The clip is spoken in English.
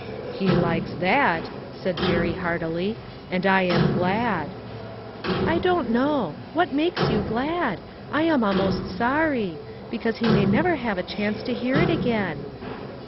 " He likes that" said Jerry heartily, " and I am glad." '4l don't know. What makes you glad ? I am almost sorry ; because he may never have a chance to hear it again."